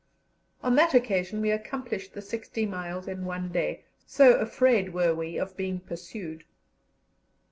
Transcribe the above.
On that occasion we accomplished the sixty miles in one day, so afraid were we of being pursued.